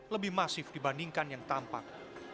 lebih masif dibandingkan yang tampak